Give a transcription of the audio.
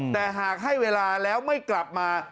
แต่หากให้เวลาแล้วไม่กลับมา